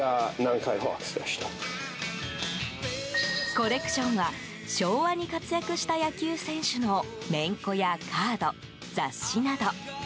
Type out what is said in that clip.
コレクションは昭和に活躍した野球選手のメンコやカード、雑誌など。